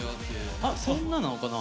あっそんななのかな？